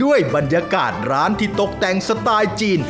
ด้วยบรรยากาศร้านที่ตกแต่งสไตล์จีน